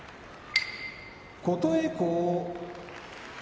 琴恵光